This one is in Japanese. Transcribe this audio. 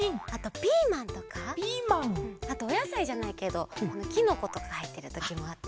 あとおやさいじゃないけどきのことかはいってるときもあった。